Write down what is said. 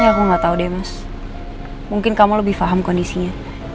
ya aku gak tau deh mas mungkin kamu lebih paham kondisinya